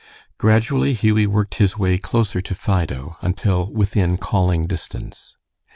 Gradually Hughie worked his way closer to Fido until within calling distance.